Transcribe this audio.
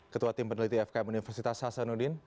ketua tim peneliti fkm universitas hasanuddin